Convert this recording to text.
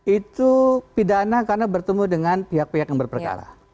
itu pidana karena bertemu dengan pihak pihak yang berperkara